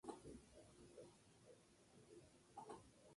La inflamación de las amígdalas puede causar una obstrucción similar.